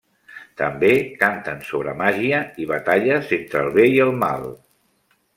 També canten sobre màgia i batalles entre el bé i el mal.